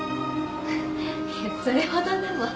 いやそれほどでも。